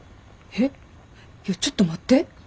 いやちょっと待って。